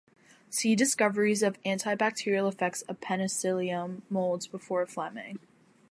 See Discoveries of anti-bacterial effects of penicillium moulds before Fleming.